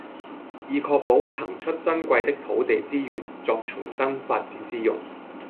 以確保騰出珍貴的土地資源作重新發展之用